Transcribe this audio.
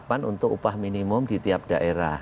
penerapan untuk upah minimum di tiap daerah